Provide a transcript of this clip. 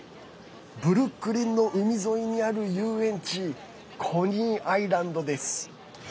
ブルックリンの海沿いにある遊園地、コニーアイランドです。